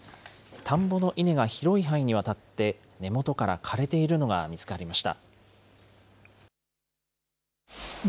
田んぼの稲が広い範囲にわたって根元から枯れているのが見つかりました。